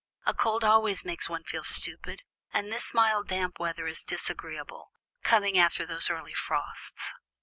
A cold always makes one feel stupid, and this mild damp weather is disagreeable, coming after those early frosts."